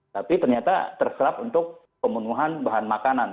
tapi ternyata terserap untuk pemenuhan bahan makanan